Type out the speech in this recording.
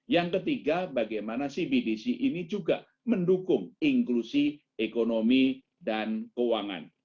yang ketiga bagaimana cbdc ini juga mendukung